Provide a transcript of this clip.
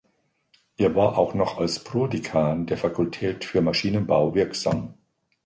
Er war auch noch als Prodekan der Fakultät für Maschinenbau wirksam.